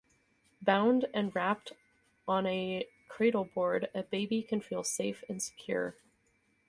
Bound and wrapped on a cradleboard, a baby can feel safe and secure.